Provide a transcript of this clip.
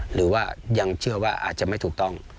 หรือว่ายังเชื่อว่าอาจจะไม่ถูกต้อง